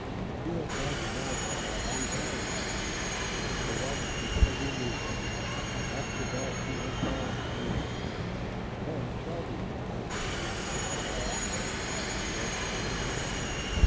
He went down to Madras, and was married there. I watched his every movement. After that he went down frequently. Then a child was born, and six months afterwards his wife died.